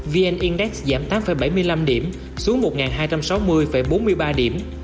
vn index giảm tám bảy mươi năm điểm xuống một hai trăm sáu mươi bốn mươi ba điểm